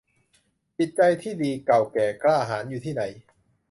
จิตใจที่ดี เก่าแก่ กล้าหาญอยู่ที่ไหน